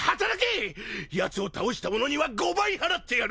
やつを倒した者には５倍払ってやる！